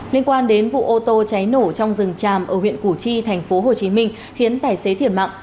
liên quan đến vụ ô tô cháy nổ trong rừng tràm ở huyện củ chi tp hcm khiến tài xế thiệt mạng